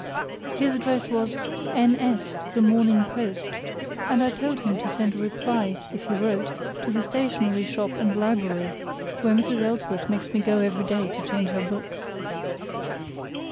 His address was 'N. S., the Morning Post'; and I told him to send a reply, if he wrote, to the stationery shop and library where Mrs. Ellsworth makes me go every day to change her books."